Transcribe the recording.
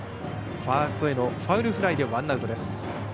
ファーストへのファウルフライでワンアウト。